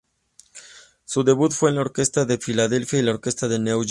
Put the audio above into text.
Su debut fue con la Orquesta de Philadelphia, y la Orquesta de Nueva York.